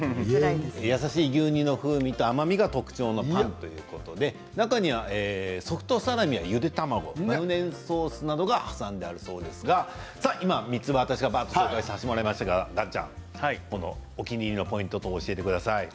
優しい牛乳の風味と甘みが特徴のパンということで中にはソフトサラミや、ゆで卵マヨネーズソースなどが挟んであるそうですが３つご紹介させてもらいましたが岩ちゃん、お気に入りのポイント等、教えてください。